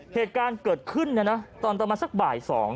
เหตุการณ์เกิดขึ้นตอนประมาณสักบ่าย๒